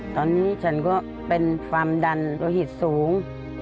ตอนนี้ฉันก็เป็นความดันโลหิตสูง